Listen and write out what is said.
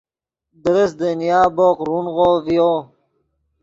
درست دنیا بوق رونغو ڤیو